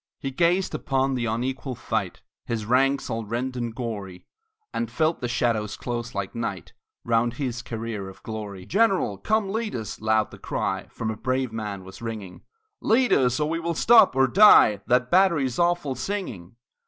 He gazed upon the unequal fight, His ranks all rent and gory, And felt the shadows close like night Round his career of glory. "General, come lead us!" loud the cry From a brave band was ringing "Lead us, and we will stop, or die, That battery's awful singing!"